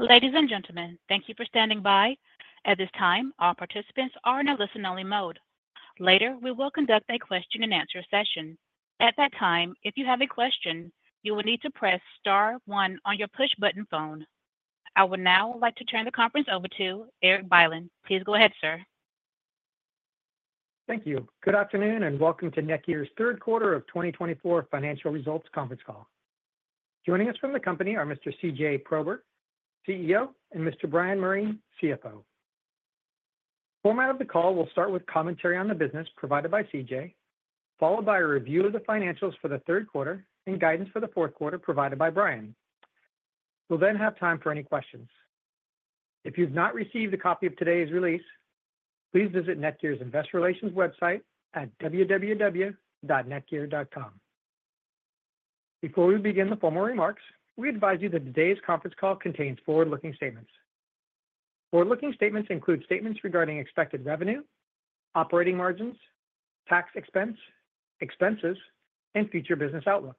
Ladies and gentlemen, thank you for standing by. At this time, all participants are in a listen-only mode. Later, we will conduct a question-and-answer session. At that time, if you have a question, you will need to press star one on your push-button phone. I would now like to turn the conference over to Erik Bylin. Please go ahead, sir. Thank you. Good afternoon and welcome to NETGEAR's third quarter of 2024 financial results conference call. Joining us from the company are Mr. CJ Prober, CEO, and Mr. Bryan Murray, CFO. Format of the call will start with commentary on the business provided by CJ, followed by a review of the financials for the third quarter and guidance for the fourth quarter provided by Bryan. We'll then have time for any questions. If you've not received a copy of today's release, please visit NETGEAR's investor relations website at www.netgear.com. Before we begin the formal remarks, we advise you that today's conference call contains forward-looking statements. Forward-looking statements include statements regarding expected revenue, operating margins, tax expense, expenses, and future business outlook.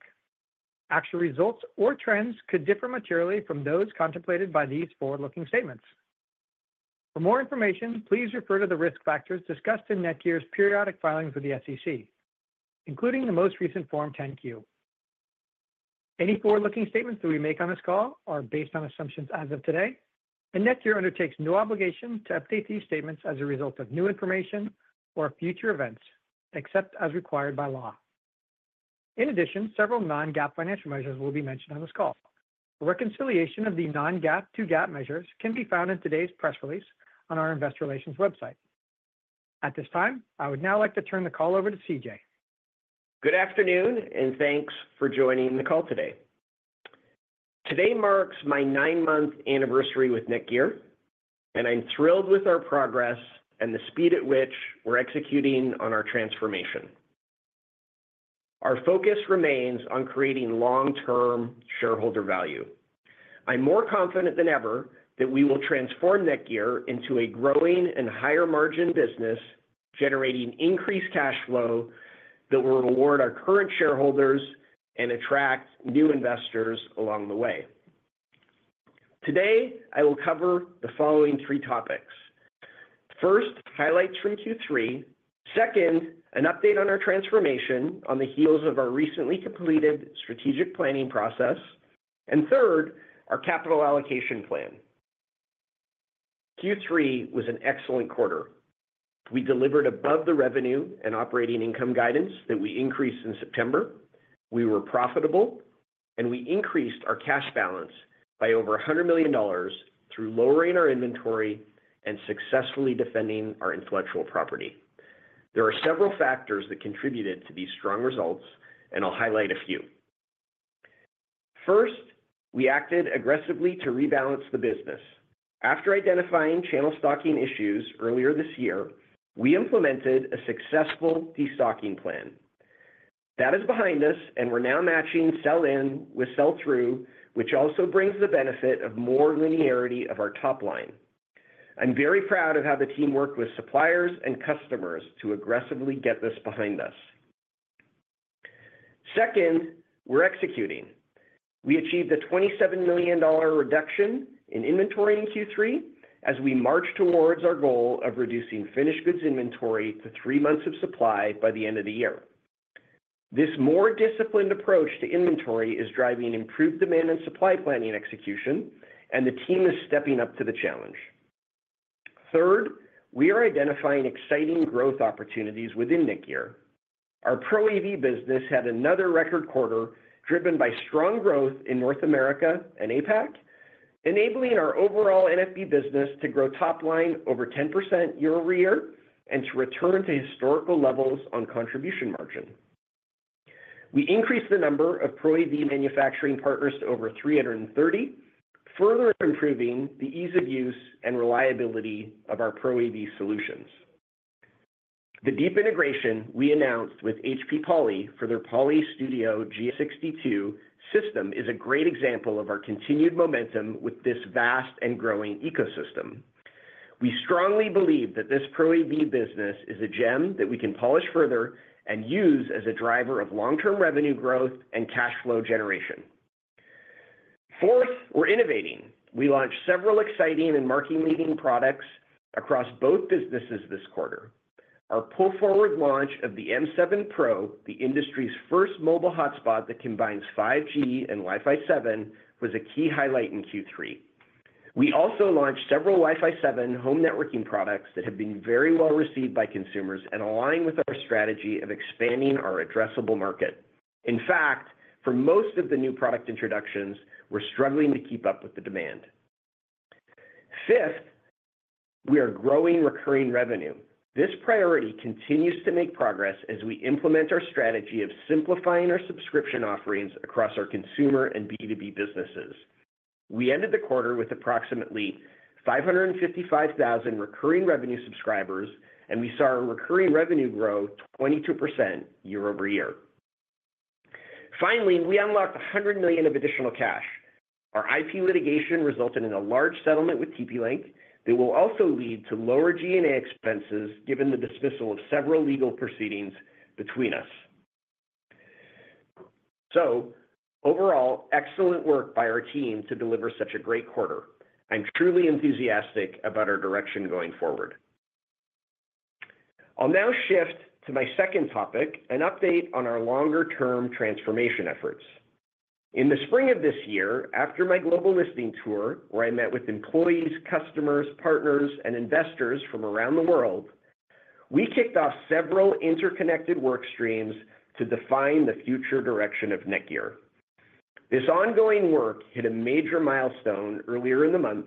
Actual results or trends could differ materially from those contemplated by these forward-looking statements. For more information, please refer to the risk factors discussed in NETGEAR's periodic filings with the SEC, including the most recent Form 10-Q. Any forward-looking statements that we make on this call are based on assumptions as of today, and NETGEAR undertakes no obligation to update these statements as a result of new information or future events, except as required by law. In addition, several non-GAAP financial measures will be mentioned on this call. A reconciliation of the non-GAAP to GAAP measures can be found in today's press release on our investor relations website. At this time, I would now like to turn the call over to CJ. Good afternoon and thanks for joining the call today. Today marks my nine-month anniversary with NETGEAR, and I'm thrilled with our progress and the speed at which we're executing on our transformation. Our focus remains on creating long-term shareholder value. I'm more confident than ever that we will transform NETGEAR into a growing and higher-margin business, generating increased cash flow that will reward our current shareholders and attract new investors along the way. Today, I will cover the following three topics: first, highlights from Q3; second, an update on our transformation on the heels of our recently completed strategic planning process; and third, our capital allocation plan. Q3 was an excellent quarter. We delivered above-the-revenue and operating income guidance that we increased in September. We were profitable, and we increased our cash balance by over $100 million through lowering our inventory and successfully defending our intellectual property. There are several factors that contributed to these strong results, and I'll highlight a few. First, we acted aggressively to rebalance the business. After identifying channel stocking issues earlier this year, we implemented a successful de-stocking plan. That is behind us, and we're now matching sell-in with sell-through, which also brings the benefit of more linearity of our top line. I'm very proud of how the team worked with suppliers and customers to aggressively get this behind us. Second, we're executing. We achieved a $27 million reduction in inventory in Q3 as we march towards our goal of reducing finished goods inventory to three months of supply by the end of the year. This more disciplined approach to inventory is driving improved demand and supply planning execution, and the team is stepping up to the challenge. Third, we are identifying exciting growth opportunities within NETGEAR. Our ProAV business had another record quarter driven by strong growth in North America and APAC, enabling our overall SMB business to grow top line over 10% year over year and to return to historical levels on contribution margin. We increased the number of ProAV manufacturing partners to over 330, further improving the ease of use and reliability of our ProAV solutions. The deep integration we announced with HP Poly for their Poly Studio G62 system is a great example of our continued momentum with this vast and growing ecosystem. We strongly believe that this ProAV business is a gem that we can polish further and use as a driver of long-term revenue growth and cash flow generation. Fourth, we're innovating. We launched several exciting and market-leading products across both businesses this quarter. Our pull-forward launch of the M7 Pro, the industry's first mobile hotspot that combines 5G and Wi-Fi 7, was a key highlight in Q3. We also launched several Wi-Fi 7 home networking products that have been very well received by consumers and align with our strategy of expanding our addressable market. In fact, for most of the new product introductions, we're struggling to keep up with the demand. Fifth, we are growing recurring revenue. This priority continues to make progress as we implement our strategy of simplifying our subscription offerings across our consumer and B2B businesses. We ended the quarter with approximately 555,000 recurring revenue subscribers, and we saw our recurring revenue grow 22% year over year. Finally, we unlocked $100 million of additional cash. Our IP litigation resulted in a large settlement with TP-Link that will also lead to lower G&A expenses given the dismissal of several legal proceedings between us. So overall, excellent work by our team to deliver such a great quarter. I'm truly enthusiastic about our direction going forward. I'll now shift to my second topic, an update on our longer-term transformation efforts. In the spring of this year, after my global listing tour, where I met with employees, customers, partners, and investors from around the world, we kicked off several interconnected work streams to define the future direction of NETGEAR. This ongoing work hit a major milestone earlier in the month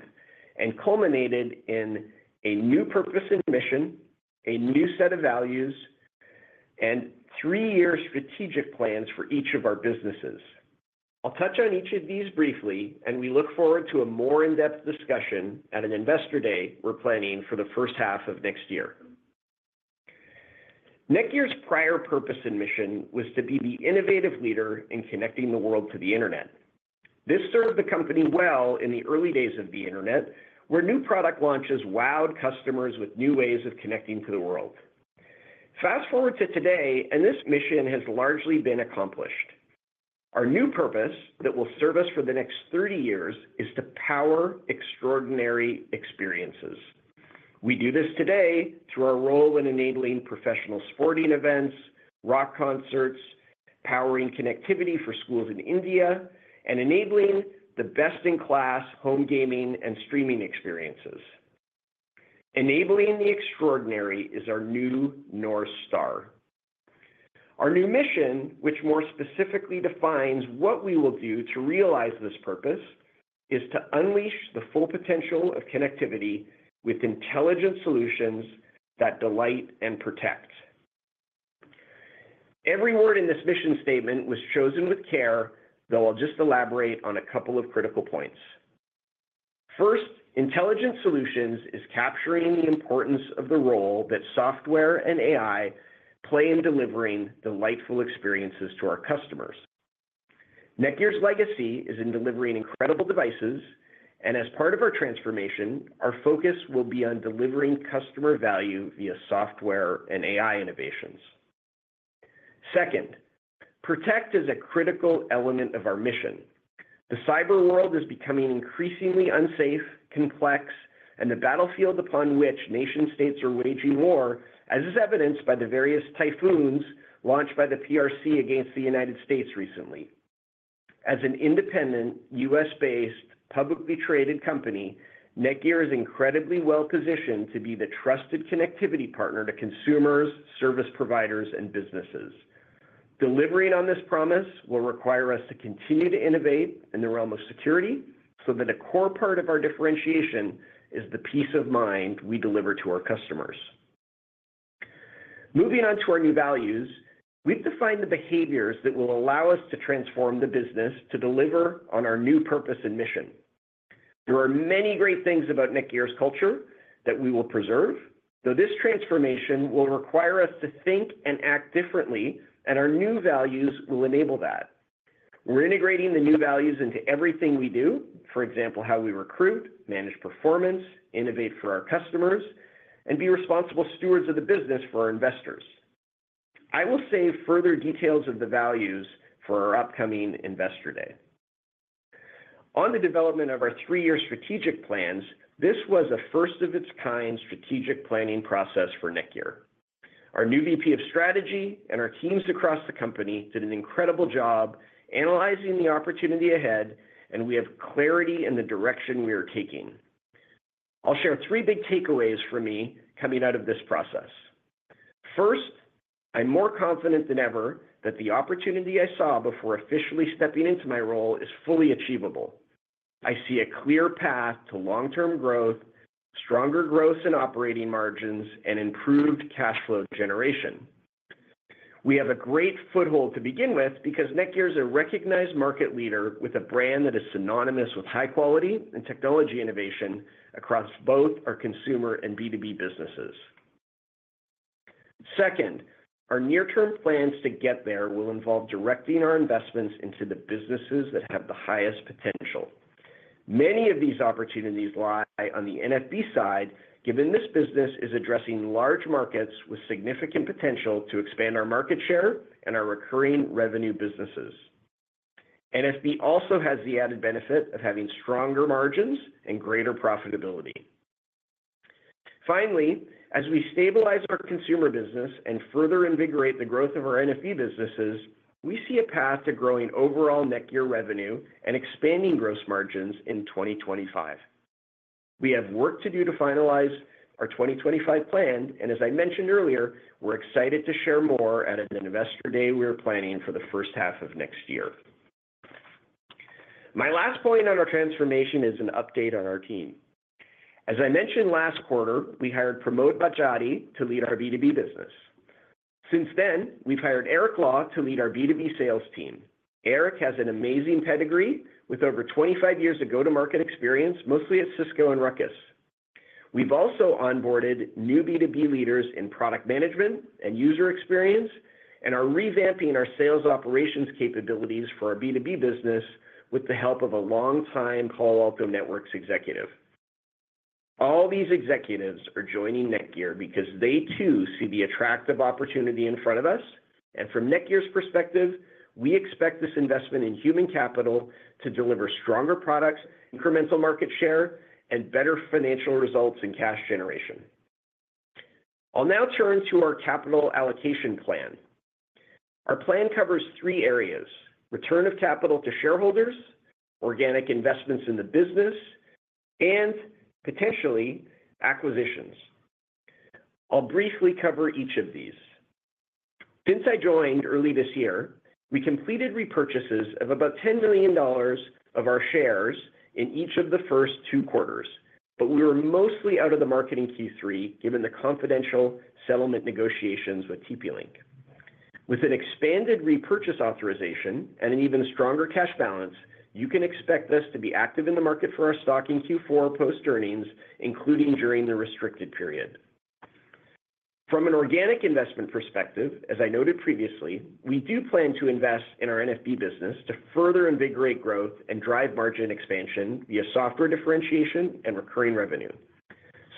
and culminated in a new purpose and mission, a new set of values, and three-year strategic plans for each of our businesses. I'll touch on each of these briefly, and we look forward to a more in-depth discussion at an investor day we're planning for the first half of next year. NETGEAR's prior purpose and mission was to be the innovative leader in connecting the world to the internet. This served the company well in the early days of the internet, where new product launches wowed customers with new ways of connecting to the world. Fast forward to today, and this mission has largely been accomplished. Our new purpose that will serve us for the next 30 years is to power extraordinary experiences. We do this today through our role in enabling professional sporting events, rock concerts, powering connectivity for schools in India, and enabling the best-in-class home gaming and streaming experiences. Enabling the extraordinary is our new North Star. Our new mission, which more specifically defines what we will do to realize this purpose, is to unleash the full potential of connectivity with intelligent solutions that delight and protect. Every word in this mission statement was chosen with care, though I'll just elaborate on a couple of critical points. First, intelligent solutions is capturing the importance of the role that software and AI play in delivering delightful experiences to our customers. NETGEAR's legacy is in delivering incredible devices, and as part of our transformation, our focus will be on delivering customer value via software and AI innovations. Second, protect is a critical element of our mission. The cyber world is becoming increasingly unsafe, complex, and the battlefield upon which nation-states are waging war, as is evidenced by the various typhoons launched by the PRC against the United States recently. As an independent, U.S.-based, publicly traded company, NETGEAR is incredibly well positioned to be the trusted connectivity partner to consumers, service providers, and businesses. Delivering on this promise will require us to continue to innovate in the realm of security so that a core part of our differentiation is the peace of mind we deliver to our customers. Moving on to our new values, we've defined the behaviors that will allow us to transform the business to deliver on our new purpose and mission. There are many great things about NETGEAR's culture that we will preserve, though this transformation will require us to think and act differently, and our new values will enable that. We're integrating the new values into everything we do, for example, how we recruit, manage performance, innovate for our customers, and be responsible stewards of the business for our investors. I will save further details of the values for our upcoming investor day. On the development of our three-year strategic plans, this was a first-of-its-kind strategic planning process for NETGEAR. Our new VP of strategy and our teams across the company did an incredible job analyzing the opportunity ahead, and we have clarity in the direction we are taking. I'll share three big takeaways for me coming out of this process. First, I'm more confident than ever that the opportunity I saw before officially stepping into my role is fully achievable. I see a clear path to long-term growth, stronger growth in operating margins, and improved cash flow generation. We have a great foothold to begin with because NETGEAR is a recognized market leader with a brand that is synonymous with high quality and technology innovation across both our consumer and B2B businesses. Second, our near-term plans to get there will involve directing our investments into the businesses that have the highest potential. Many of these opportunities lie on the SMB side, given this business is addressing large markets with significant potential to expand our market share and our recurring revenue businesses. SMB also has the added benefit of having stronger margins and greater profitability. Finally, as we stabilize our consumer business and further invigorate the growth of our SMB businesses, we see a path to growing overall NETGEAR revenue and expanding gross margins in 2025. We have work to do to finalize our 2025 plan, and as I mentioned earlier, we're excited to share more at an investor day we are planning for the first half of next year. My last point on our transformation is an update on our team. As I mentioned last quarter, we hired Pramod Badjatiya to lead our B2B business. Since then, we've hired Eric Law to lead our B2B sales team. Eric has an amazing pedigree with over 25 years of go-to-market experience, mostly at Cisco and Ruckus. We've also onboarded new B2B leaders in product management and user experience and are revamping our sales operations capabilities for our B2B business with the help of a long-time Palo Alto Networks executive. All these executives are joining NETGEAR because they too see the attractive opportunity in front of us, and from NETGEAR's perspective, we expect this investment in human capital to deliver stronger products, incremental market share, and better financial results and cash generation. I'll now turn to our capital allocation plan. Our plan covers three areas: return of capital to shareholders, organic investments in the business, and potentially acquisitions. I'll briefly cover each of these. Since I joined early this year, we completed repurchases of about $10 million of our shares in each of the first two quarters, but we were mostly out of the market in Q3 given the confidential settlement negotiations with TP-Link. With an expanded repurchase authorization and an even stronger cash balance, you can expect us to be active in the market for our stock in Q4 post-earnings, including during the restricted period. From an organic investment perspective, as I noted previously, we do plan to invest in our SMB business to further invigorate growth and drive margin expansion via software differentiation and recurring revenue.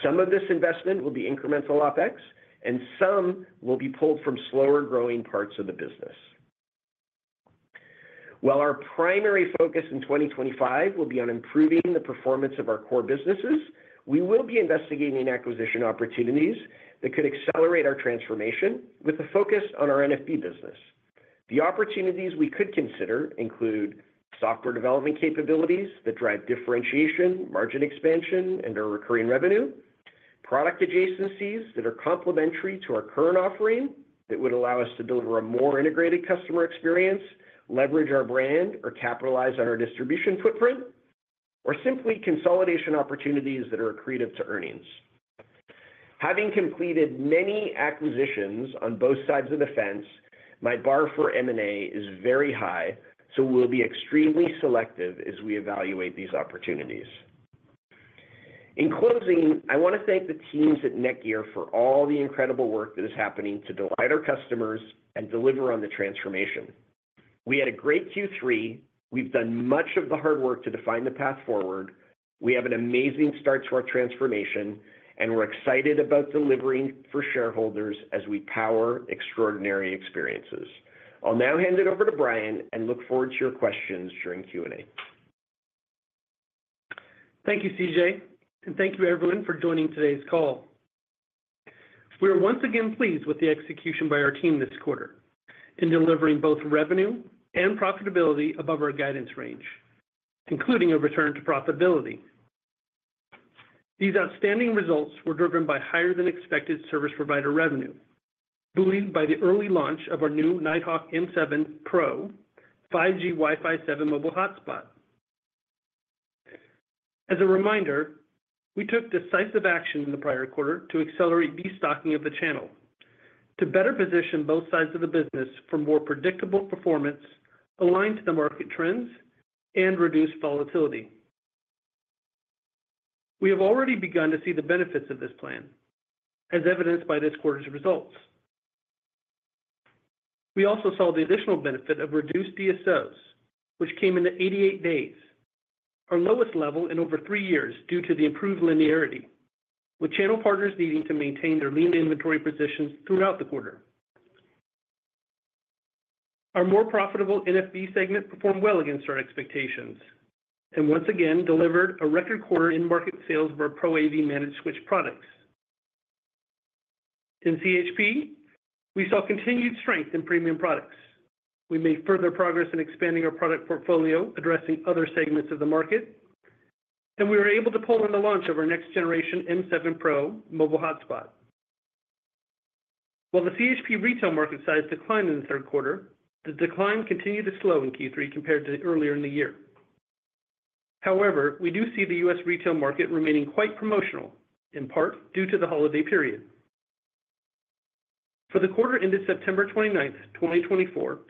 Some of this investment will be incremental OpEx, and some will be pulled from slower-growing parts of the business. While our primary focus in 2025 will be on improving the performance of our core businesses, we will be investigating acquisition opportunities that could accelerate our transformation with a focus on our SMB business. The opportunities we could consider include software development capabilities that drive differentiation, margin expansion, and our recurring revenue, product adjacencies that are complementary to our current offering that would allow us to deliver a more integrated customer experience, leverage our brand, or capitalize on our distribution footprint, or simply consolidation opportunities that are accretive to earnings. Having completed many acquisitions on both sides of the fence, my bar for M&A is very high, so we'll be extremely selective as we evaluate these opportunities. In closing, I want to thank the teams at NETGEAR for all the incredible work that is happening to delight our customers and deliver on the transformation. We had a great Q3. We've done much of the hard work to define the path forward. We have an amazing start to our transformation, and we're excited about delivering for shareholders as we power extraordinary experiences. I'll now hand it over to Bryan and look forward to your questions during Q&A. Thank you, CJ, and thank you, everyone, for joining today's call. We are once again pleased with the execution by our team this quarter in delivering both revenue and profitability above our guidance range, including a return to profitability. These outstanding results were driven by higher-than-expected service provider revenue, boosted by the early launch of our new Nighthawk M7 Pro 5G Wi-Fi 7 mobile hotspot. As a reminder, we took decisive action in the prior quarter to accelerate destocking of the channel to better position both sides of the business for more predictable performance, align to the market trends, and reduce volatility. We have already begun to see the benefits of this plan, as evidenced by this quarter's results. We also saw the additional benefit of reduced DSOs, which came into 88 days, our lowest level in over three years due to the improved linearity, with channel partners needing to maintain their lean inventory positions throughout the quarter. Our more profitable SMB segment performed well against our expectations and once again delivered a record quarter in market sales for our ProAV managed switch products. In CHP, we saw continued strength in premium products. We made further progress in expanding our product portfolio, addressing other segments of the market, and we were able to pull in the launch of our next-generation M7 Pro mobile hotspot. While the CHP retail market size declined in the third quarter, the decline continued to slow in Q3 compared to earlier in the year. However, we do see the U.S. retail market remaining quite promotional, in part due to the holiday period. For the quarter ended September 29, 2024,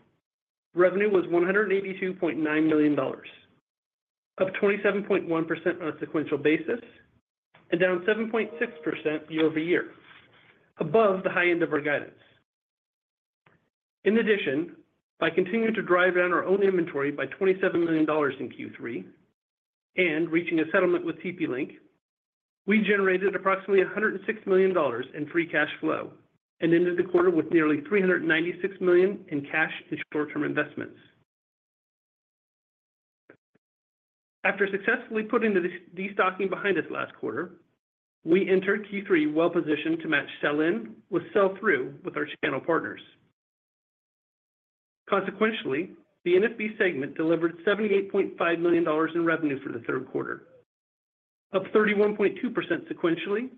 revenue was $182.9 million, up 27.1% on a sequential basis and down 7.6% year over year, above the high end of our guidance. In addition, by continuing to drive down our own inventory by $27 million in Q3 and reaching a settlement with TP-Link, we generated approximately $106 million in free cash flow and ended the quarter with nearly $396 million in cash and short-term investments. After successfully putting the destocking behind us last quarter, we entered Q3 well-positioned to match sell-in with sell-through with our channel partners. Consequentially, the SMB segment delivered $78.5 million in revenue for the third quarter, up 31.2% sequentially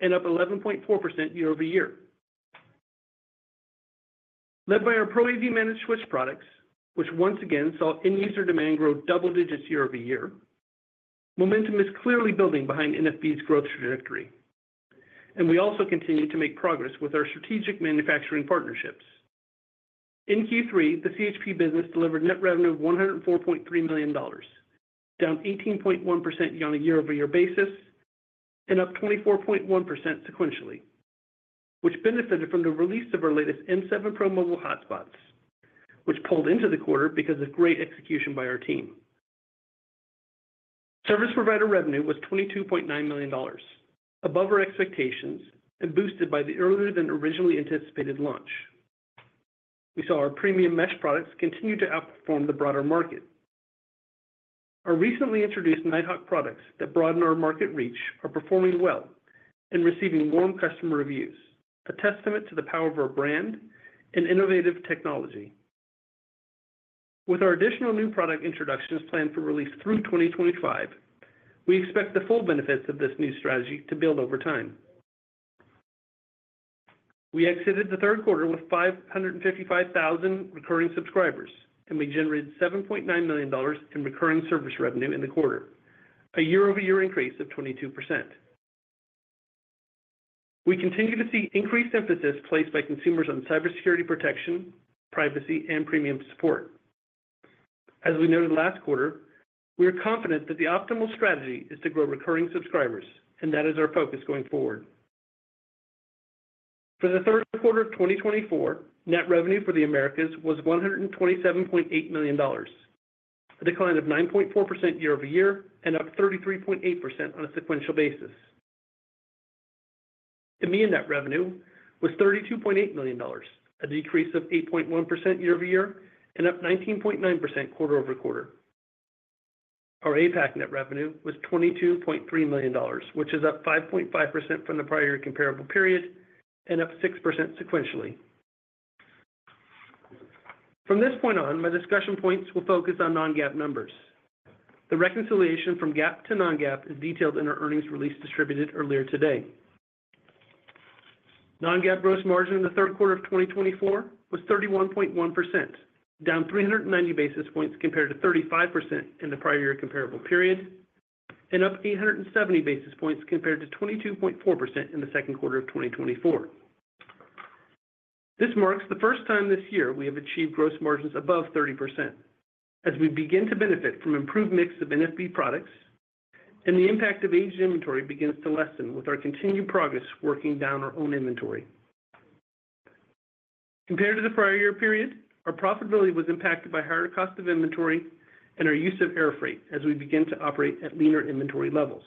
and up 11.4% year over year. Led by our ProAV managed switch products, which once again saw end-user demand grow double digits year over year, momentum is clearly building behind SMB's growth trajectory, and we also continue to make progress with our strategic manufacturing partnerships. In Q3, the CHP business delivered net revenue of $104.3 million, down 18.1% on a year-over-year basis and up 24.1% sequentially, which benefited from the release of our latest M7 Pro mobile hotspots, which pulled into the quarter because of great execution by our team. Service provider revenue was $22.9 million, above our expectations and boosted by the earlier than originally anticipated launch. We saw our premium mesh products continue to outperform the broader market. Our recently introduced Nighthawk products that broaden our market reach are performing well and receiving warm customer reviews, a testament to the power of our brand and innovative technology. With our additional new product introductions planned for release through 2025, we expect the full benefits of this new strategy to build over time. We exited the third quarter with 555,000 recurring subscribers, and we generated $7.9 million in recurring service revenue in the quarter, a year-over-year increase of 22%. We continue to see increased emphasis placed by consumers on cybersecurity protection, privacy, and premium support. As we noted last quarter, we are confident that the optimal strategy is to grow recurring subscribers, and that is our focus going forward. For the third quarter of 2024, net revenue for the Americas was $127.8 million, a decline of 9.4% year-over-year and up 33.8% on a sequential basis. EMEA net revenue was $32.8 million, a decrease of 8.1% year-over-year and up 19.9% quarter-over-quarter. Our APAC net revenue was $22.3 million, which is up 5.5% from the prior year comparable period and up 6% sequentially. From this point on, my discussion points will focus on non-GAAP numbers. The reconciliation from GAAP to non-GAAP is detailed in our earnings release distributed earlier today. Non-GAAP gross margin in the third quarter of 2024 was 31.1%, down 390 basis points compared to 35% in the prior year comparable period and up 870 basis points compared to 22.4% in the second quarter of 2024. This marks the first time this year we have achieved gross margins above 30% as we begin to benefit from improved mix of SMB products and the impact of aged inventory begins to lessen with our continued progress working down our own inventory. Compared to the prior year period, our profitability was impacted by higher cost of inventory and our use of air freight as we begin to operate at leaner inventory levels.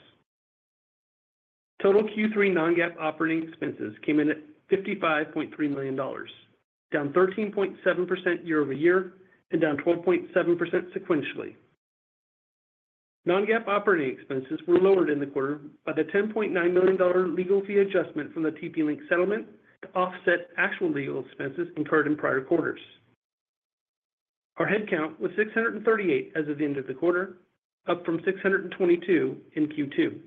Total Q3 non-GAAP operating expenses came in at $55.3 million, down 13.7% year-over-year and down 12.7% sequentially. Non-GAAP operating expenses were lowered in the quarter by the $10.9 million legal fee adjustment from the TP-Link settlement to offset actual legal expenses incurred in prior quarters. Our headcount was 638 as of the end of the quarter, up from 622 in Q2.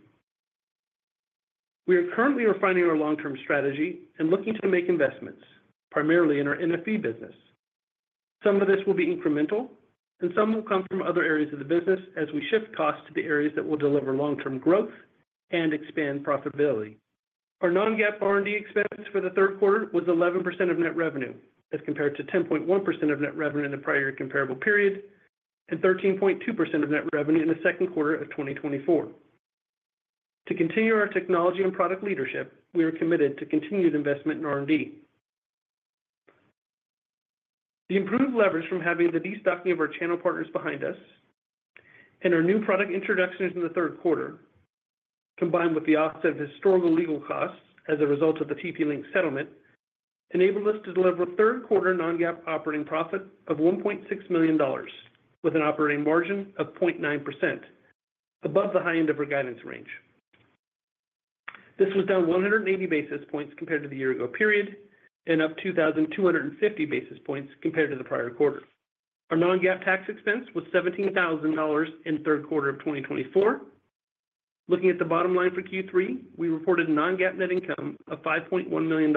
We are currently refining our long-term strategy and looking to make investments, primarily in our SMB business. Some of this will be incremental, and some will come from other areas of the business as we shift costs to the areas that will deliver long-term growth and expand profitability. Our non-GAAP R&D expense for the third quarter was 11% of net revenue as compared to 10.1% of net revenue in the prior year comparable period and 13.2% of net revenue in the second quarter of 2024. To continue our technology and product leadership, we are committed to continued investment in R&D. The improved leverage from having the destocking of our channel partners behind us and our new product introductions in the third quarter, combined with the offset of historical legal costs as a result of the TP-Link settlement, enabled us to deliver a third quarter non-GAAP operating profit of $1.6 million with an operating margin of 0.9%, above the high end of our guidance range. This was down 180 basis points compared to the year-ago period and up 2,250 basis points compared to the prior quarter. Our non-GAAP tax expense was $17,000 in the third quarter of 2024. Looking at the bottom line for Q3, we reported non-GAAP net income of $5.1 million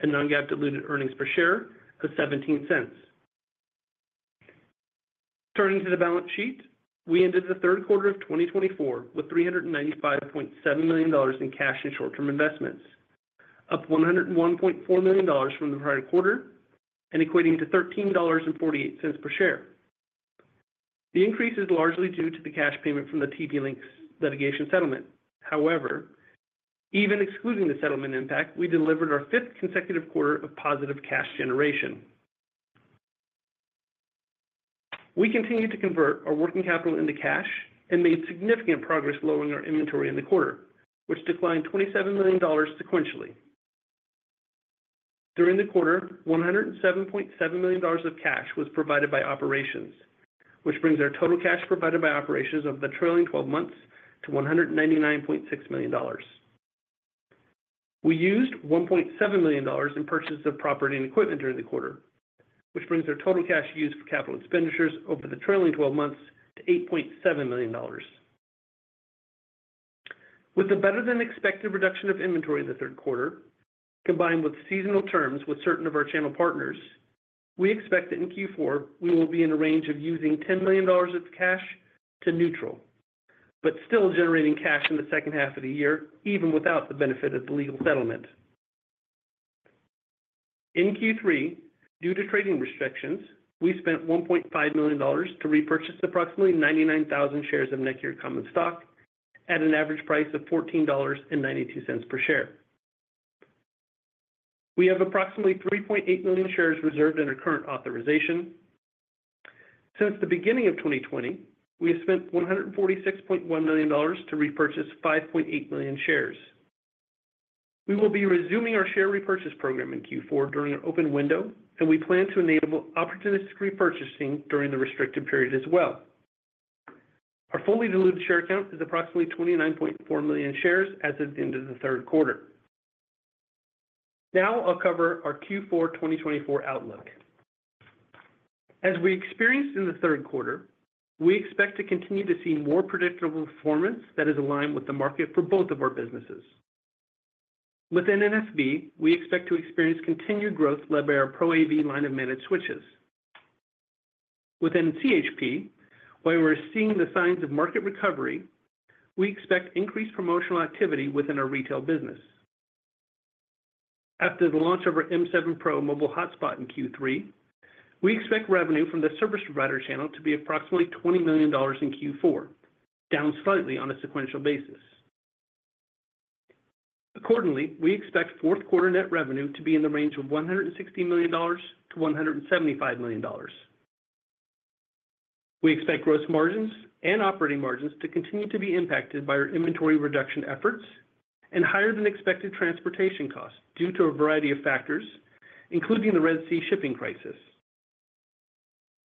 and non-GAAP diluted earnings per share of $0.17. Turning to the balance sheet, we ended the third quarter of 2024 with $395.7 million in cash and short-term investments, up $101.4 million from the prior quarter and equating to $13.48 per share. The increase is largely due to the cash payment from the TP-Link's litigation settlement. However, even excluding the settlement impact, we delivered our fifth consecutive quarter of positive cash generation. We continued to convert our working capital into cash and made significant progress lowering our inventory in the quarter, which declined $27 million sequentially. During the quarter, $107.7 million of cash was provided by operations, which brings our total cash provided by operations over the trailing 12 months to $199.6 million. We used $1.7 million in purchases of property and equipment during the quarter, which brings our total cash used for capital expenditures over the trailing 12 months to $8.7 million. With a better-than-expected reduction of inventory in the third quarter, combined with seasonal terms with certain of our channel partners, we expect that in Q4 we will be in a range of using $10 million of cash to neutral, but still generating cash in the second half of the year even without the benefit of the legal settlement. In Q3, due to trading restrictions, we spent $1.5 million to repurchase approximately 99,000 shares of NETGEAR Common Stock at an average price of $14.92 per share. We have approximately 3.8 million shares reserved in our current authorization. Since the beginning of 2020, we have spent $146.1 million to repurchase 5.8 million shares. We will be resuming our share repurchase program in Q4 during an open window, and we plan to enable opportunistic repurchasing during the restricted period as well. Our fully diluted share count is approximately 29.4 million shares as of the end of the third quarter. Now I'll cover our Q4 2024 outlook. As we experienced in the third quarter, we expect to continue to see more predictable performance that is aligned with the market for both of our businesses. Within SMB, we expect to experience continued growth led by our ProAV line of managed switches. Within CHP, while we're seeing the signs of market recovery, we expect increased promotional activity within our retail business. After the launch of our M7 Pro mobile hotspot in Q3, we expect revenue from the service provider channel to be approximately $20 million in Q4, down slightly on a sequential basis. Accordingly, we expect fourth quarter net revenue to be in the range of $160 million-$175 million. We expect gross margins and operating margins to continue to be impacted by our inventory reduction efforts and higher-than-expected transportation costs due to a variety of factors, including the Red Sea shipping crisis.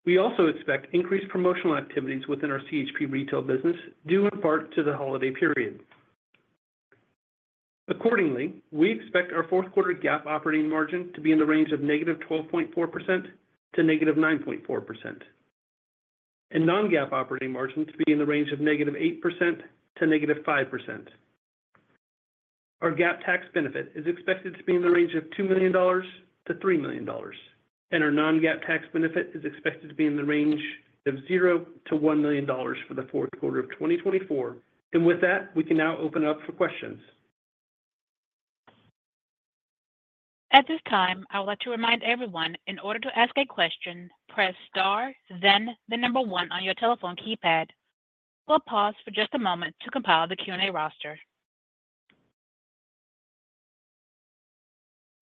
We also expect increased promotional activities within our CHP retail business due in part to the holiday period. Accordingly, we expect our fourth quarter GAAP operating margin to be in the range of negative 12.4%-negative 9.4%, and non-GAAP operating margin to be in the range of negative 8%-negative 5%. Our GAAP tax benefit is expected to be in the range of $2 million-$3 million, and our non-GAAP tax benefit is expected to be in the range of $0-$1 million for the fourth quarter of 2024. With that, we can now open it up for questions. At this time, I would like to remind everyone in order to ask a question, press star, then the number one on your telephone keypad. We'll pause for just a moment to compile the Q&A roster.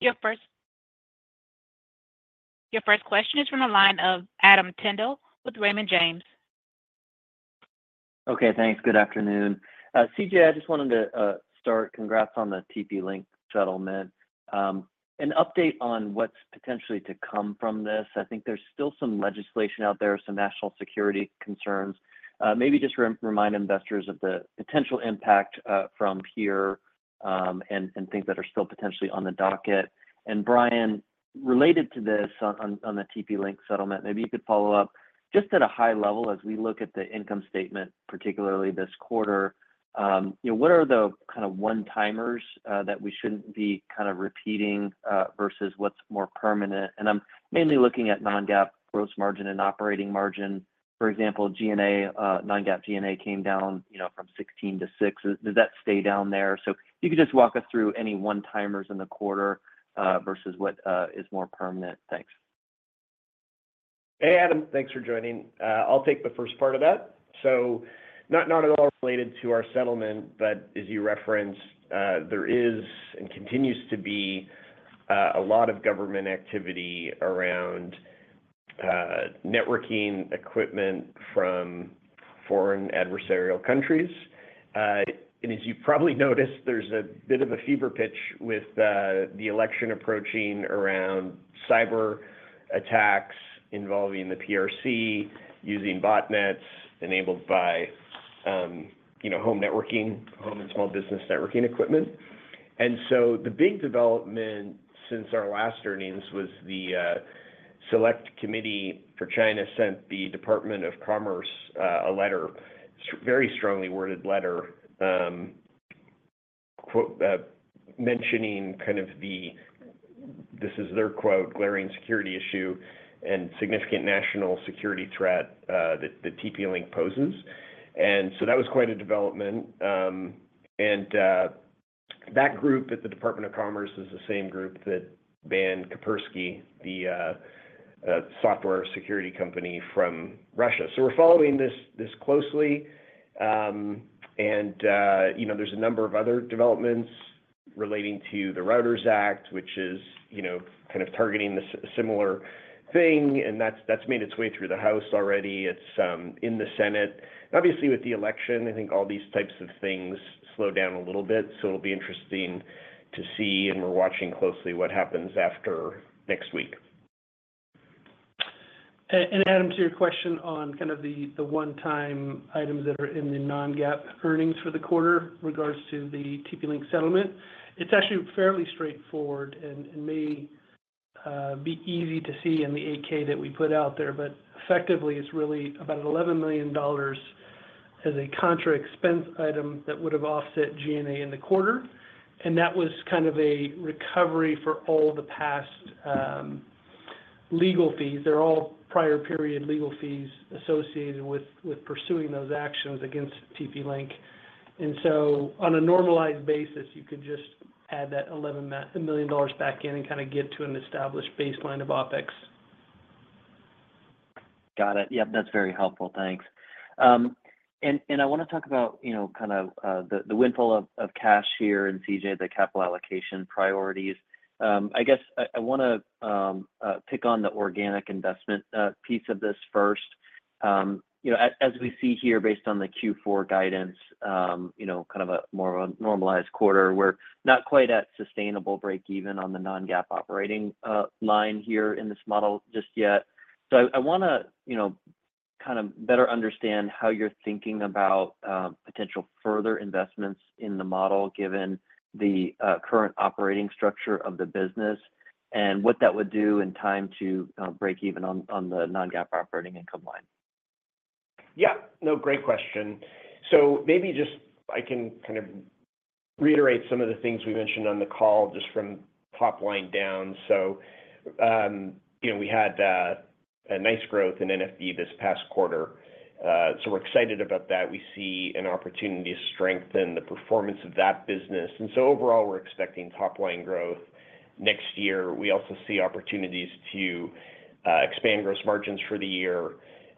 Your first question is from the line of Adam Tindle with Raymond James. Okay, thanks. Good afternoon. CJ, I just wanted to start, congrats on the TP-Link settlement. An update on what's potentially to come from this. I think there's still some legislation out there, some national security concerns. Maybe just remind investors of the potential impact from here and things that are still potentially on the docket. And Bryan, related to this on the TP-Link settlement, maybe you could follow up just at a high level as we look at the income statement, particularly this quarter. What are the kind of one-timers that we shouldn't be kind of repeating versus what's more permanent? And I'm mainly looking at non-GAAP gross margin and operating margin. For example, non-GAAP G&A came down from 16% to 6%. Does that stay down there? So if you could just walk us through any one-timers in the quarter versus what is more permanent. Thanks. Hey, Adam. Thanks for joining. I'll take the first part of that. So not at all related to our settlement, but as you referenced, there is and continues to be a lot of government activity around networking equipment from foreign adversarial countries. And as you probably noticed, there's a bit of a fever pitch with the election approaching around cyber attacks involving the PRC using botnets enabled by home networking, home and small business networking equipment. And so the big development since our last earnings was the Select Committee for China sent the Department of Commerce a letter, a very strongly worded letter mentioning kind of the, this is their quote, glaring security issue and significant national security threat that TP-Link poses. And so that was quite a development. That group at the Department of Commerce is the same group that banned Kaspersky, the software security company from Russia. We're following this closely. There's a number of other developments relating to the ROUTERS Act, which is kind of targeting a similar thing, and that's made its way through the House already. It's in the Senate. Obviously, with the election, I think all these types of things slow down a little bit. It'll be interesting to see, and we're watching closely what happens after next week. And Adam, to your question on kind of the one-time items that are in the non-GAAP earnings for the quarter in regards to the TP-Link settlement, it's actually fairly straightforward and may be easy to see in the 8-K that we put out there. But effectively, it's really about $11 million as a contra expense item that would have offset G&A in the quarter. And that was kind of a recovery for all the past legal fees. They're all prior period legal fees associated with pursuing those actions against TP-Link. And so on a normalized basis, you could just add that $11 million back in and kind of get to an established baseline of OPEX. Got it. Yep, that's very helpful. Thanks, and I want to talk about kind of the windfall of cash here in CJ, the capital allocation priorities. I guess I want to pick on the organic investment piece of this first. As we see here, based on the Q4 guidance, kind of a more of a normalized quarter, we're not quite at sustainable break-even on the non-GAAP operating line here in this model just yet. So I want to kind of better understand how you're thinking about potential further investments in the model given the current operating structure of the business and what that would do in time to break even on the non-GAAP operating income line. Yeah. No, great question. So maybe just I can kind of reiterate some of the things we mentioned on the call just from top line down. So we had a nice growth in SMB this past quarter. So we're excited about that. We see an opportunity to strengthen the performance of that business. And so overall, we're expecting top-line growth next year. We also see opportunities to expand gross margins for the year.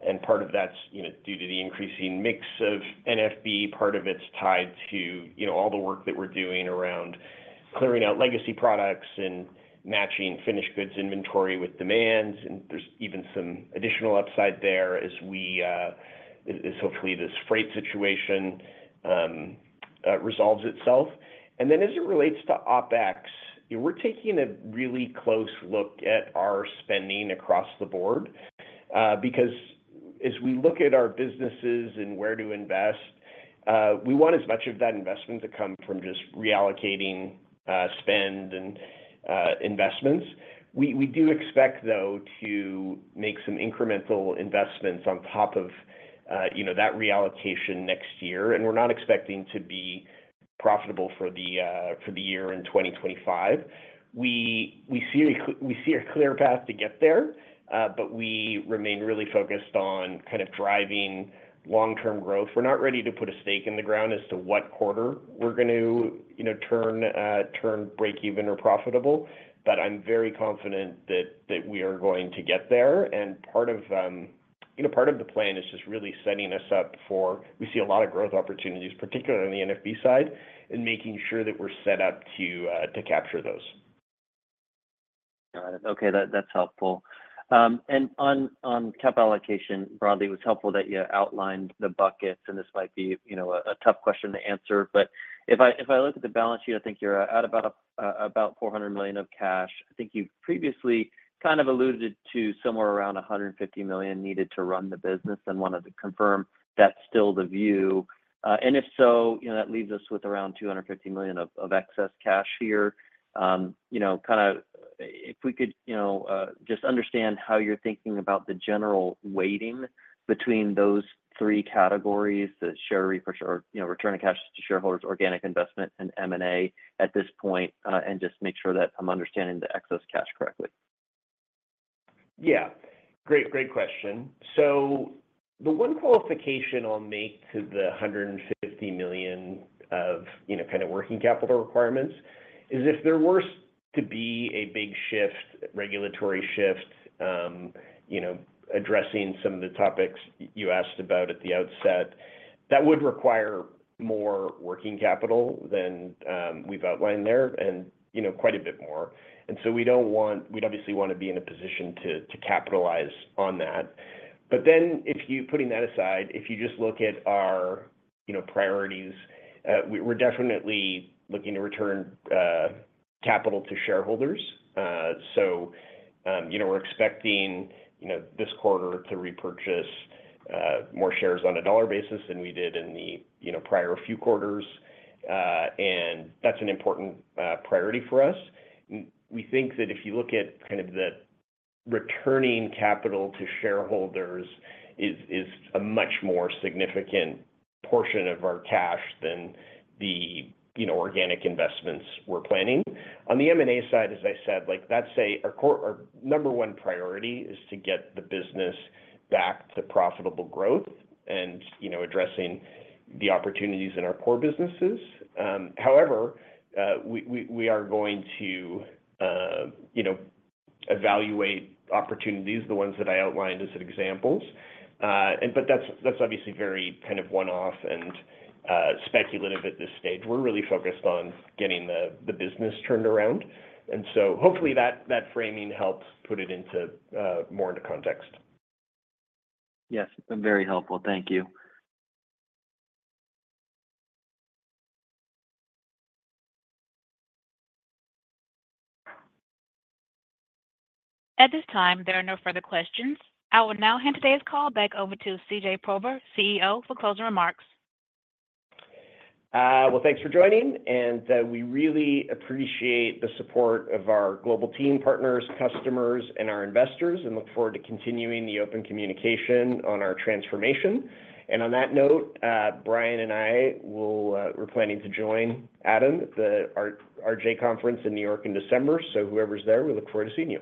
And part of that's due to the increasing mix of SMB. Part of it's tied to all the work that we're doing around clearing out legacy products and matching finished goods inventory with demands. And there's even some additional upside there as hopefully this freight situation resolves itself. And then as it relates to OpEx, we're taking a really close look at our spending across the board because as we look at our businesses and where to invest, we want as much of that investment to come from just reallocating spend and investments. We do expect, though, to make some incremental investments on top of that reallocation next year. And we're not expecting to be profitable for the year in 2025. We see a clear path to get there, but we remain really focused on kind of driving long-term growth. We're not ready to put a stake in the ground as to what quarter we're going to turn break-even or profitable. But I'm very confident that we are going to get there. Part of the plan is just really setting us up for we see a lot of growth opportunities, particularly on the SMB side, and making sure that we're set up to capture those. Got it. Okay. That's helpful. And on capital allocation, broadly, it was helpful that you outlined the buckets. And this might be a tough question to answer. But if I look at the balance sheet, I think you're at about $400 million of cash. I think you've previously kind of alluded to somewhere around $150 million needed to run the business. And I wanted to confirm that's still the view. And if so, that leaves us with around $250 million of excess cash here. Kind of if we could just understand how you're thinking about the general weighting between those three categories: the share repurchase or return of cash to shareholders, organic investment, and M&A at this point, and just make sure that I'm understanding the excess cash correctly. Yeah. Great, great question. So the one qualification I'll make to the $150 million of kind of working capital requirements is if there were to be a big shift, regulatory shift, addressing some of the topics you asked about at the outset, that would require more working capital than we've outlined there and quite a bit more. And so we don't want we obviously want to be in a position to capitalize on that. But then putting that aside, if you just look at our priorities, we're definitely looking to return capital to shareholders. So we're expecting this quarter to repurchase more shares on a dollar basis than we did in the prior few quarters. And that's an important priority for us. We think that if you look at kind of the returning capital to shareholders, it is a much more significant portion of our cash than the organic investments we're planning. On the M&A side, as I said, that's our number one priority: to get the business back to profitable growth and addressing the opportunities in our core businesses. However, we are going to evaluate opportunities, the ones that I outlined as examples. But that's obviously very kind of one-off and speculative at this stage. We're really focused on getting the business turned around, and so hopefully that framing helps put it more into context. Yes. Very helpful. Thank you. At this time, there are no further questions. I will now hand today's call back over to CJ Prober, CEO, for closing remarks. Thanks for joining. We really appreciate the support of our global team, partners, customers, and our investors, and look forward to continuing the open communication on our transformation. On that note, Bryan and I were planning to join Adam at the RJ Conference in New York in December. Whoever's there, we look forward to seeing you.